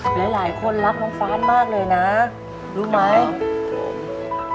หลายหลายคนรับน้องฟ้านมากเลยนะรู้ไหมครับผม